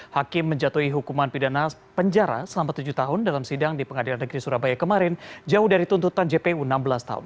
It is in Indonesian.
hakim menjatuhi hukuman pidana penjara selama tujuh tahun dalam sidang di pengadilan negeri surabaya kemarin jauh dari tuntutan jpu enam belas tahun